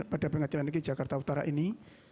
pada pengadilan negeri jakarta utara ini